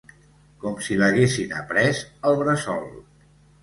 Com si l'haguessin après al bressol.